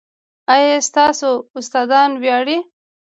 ایا ستاسو استادان ویاړي؟